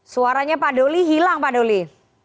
suaranya pak doli hilang pak doli